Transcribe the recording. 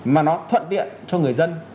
mà nó thuận tiện cho người dân